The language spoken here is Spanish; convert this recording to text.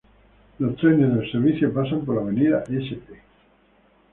Los trenes del servicio y pasan por la Avenida St.